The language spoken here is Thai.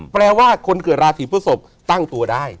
แปลว่าคนเกิดราศีพฤศพตั้งตัวได้